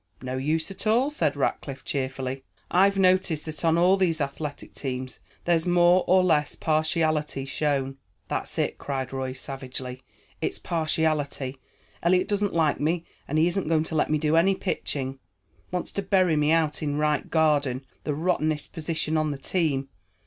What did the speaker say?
"No use at all," said Rackliff cheerfully. "I've noticed that on all these athletic teams there's more or less partiality shown." "That's it," cried Roy savagely. "It's partiality. Eliot doesn't like me, and he isn't going to let me do any pitching. Wants to bury me out in right garden, the rottenest position on the team.